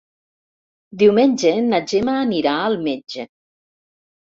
Diumenge na Gemma anirà al metge.